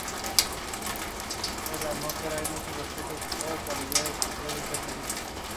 Cerca del punto medio aparece un sistema de crestas centrales de escasa altura.